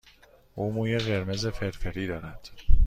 او موی قرمز فرفری دارد.